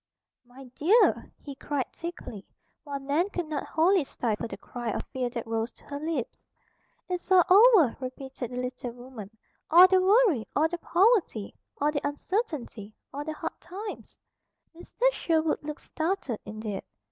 "My dear!" he cried thickly; while Nan could not wholly stifle the cry of fear that rose to her lips. "It's all over," repeated the little woman. "All the worry, all the poverty, all the uncertainty, all the hard times." Mr. Sherwood looked startled indeed.